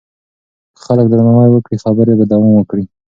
که خلک درناوی وکړي خبرې به دوام وکړي.